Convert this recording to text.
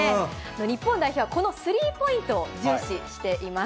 日本代表はこのスリーポイントを重視しています。